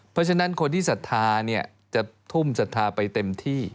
เพราะฉะนั้นคนที่ศรัทธาเนี่ยจะทุ่มศรัทธาไปเต็มที่